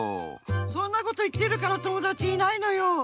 そんなこといってるから友だちいないのよ。